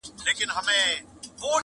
عمر تېر سو پاچا زوړ نیوي کلن سو-